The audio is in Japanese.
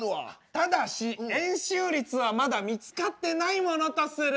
ただし円周率はまだ見つかってないものとする。